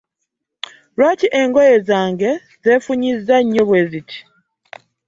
Lwaki engoye zange zefunyiza nnyo bweziti?